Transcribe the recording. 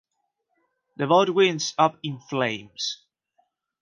The boat winds up in flames.